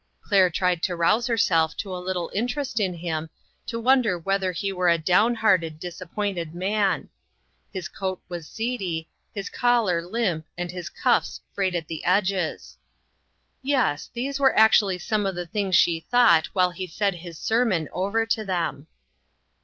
Claire tried to rouse herself to a little interest in him, to wonder whether he were a down hearted, disappointed man. His coat was seedy, his collar limp and his cuffs frayed at the edges. ^2 INTERRUPTED. Yes, these were actually some of the things she thought while he said his sermon over to them